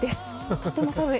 とても寒い。